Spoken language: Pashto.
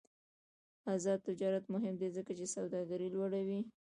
آزاد تجارت مهم دی ځکه چې سوداګري لوړوي.